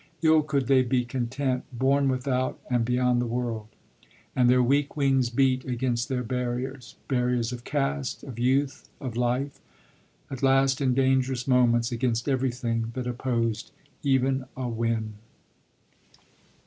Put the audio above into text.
Ill could they be content, born without and beyond the World. And their weak wings beat against their barriers, barriers of caste, of youth, of life; at last, in dangerous moments, against everything that opposed even a whim.